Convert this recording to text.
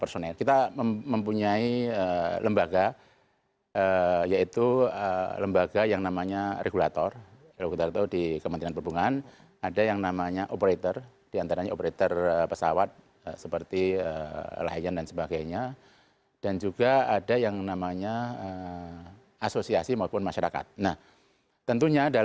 semoga arwahnya diterima di situ